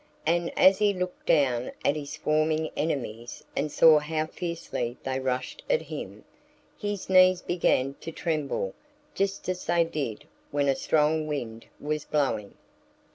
And as he looked down at his swarming enemies and saw how fiercely they rushed at him, his knees began to tremble just as they did when a strong wind was blowing.